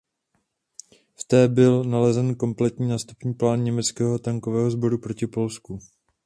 V té byl nalezen kompletní nástupní plán německého tankového sboru proti Polsku.